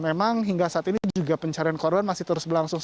memang hingga saat ini juga pencarian korban masih terus berlangsung